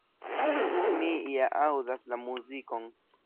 Mi ja aŭdas la muzikon!